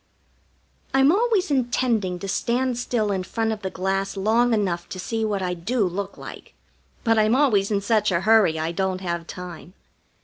I'm always intending to stand still in front of the glass long enough to see what I do look like, but I'm always in such a hurry I don't have time.